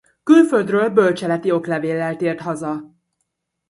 Külföldről bölcseleti oklevéllel tért haza.